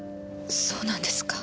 そうなんですか。